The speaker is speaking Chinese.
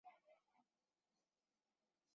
法国小说家将其生平小说化。